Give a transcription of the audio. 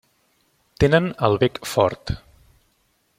Tenen el bec fort.